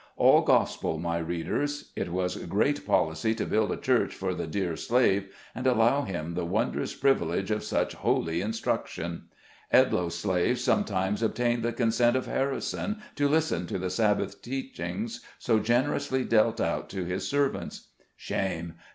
All Gospel, my readers ! It was great policy to build a church for the " dear slave" , and allow him the wondrous priv ilege of such holy instruction ! Edlce's slaves some times obtained the consent of Harrison to listen to the Sabbath teachings so generously dealt out to his servants. Shame